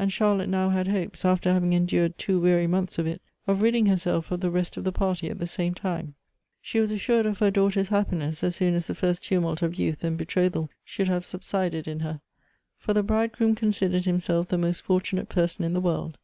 And Charlotte now had hopes, after having en dured two weary months of it, of ridding herself of the rest of the party at the same time. She was assured of her daughter's happiness, as soon as the first tumult of youth and betrothal should have subsided in her ; for the biidegroom considered himself the most fortunate person in the world.